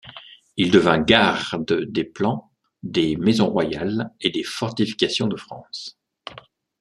Il devint Garde des plans des maisons royales et des fortifications de France.